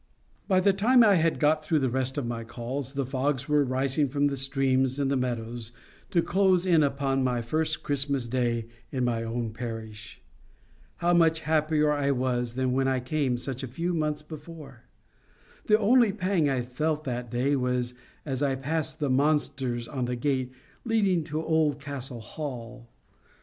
By the time I had got through the rest of my calls, the fogs were rising from the streams and the meadows to close in upon my first Christmas Day in my own parish. How much happier I was than when I came such a few months before! The only pang I felt that day was as I passed the monsters on the gate leading to Oldcastle Hall.